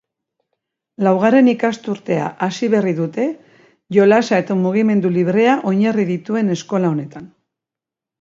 Laugarren ikasturtea hasi berri dute jolasa eta mugimendu librea oinarri dituen eskola honetan.